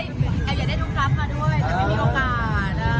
อยากได้น้องทรัพมาด้วยแต่ไม่มีโอกาส